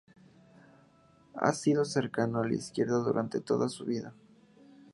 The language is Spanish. Ha sido cercano a la izquierda durante toda su vida.